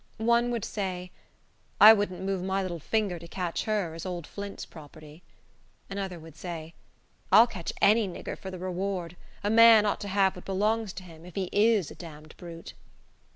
One would say, "I wouldn't move my little finger to catch her, as old Flint's property." Another would say, "I'll catch any nigger for the reward. A man ought to have what belongs to him, if he is a damned brute."